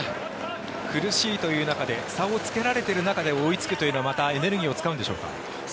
苦しいという中で差をつけられている中で追いつくというのはまたエネルギーを使うんでしょうか？